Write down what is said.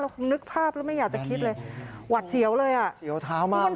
คงนึกภาพแล้วไม่อยากจะคิดเลยหวัดเสียวเลยอ่ะเสียวเท้ามาก